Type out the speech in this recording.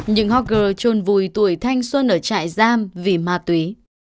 những hocker trôn vùi tuổi thanh xuân ở trại giam vì ma túy